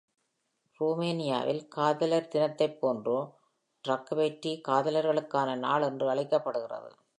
ருமேனியாவில், காதலர் தினத்தைப் போன்று, Dragobete காதலர்களுக்கான நாள் என்று அழைக்கப்படுகிறது.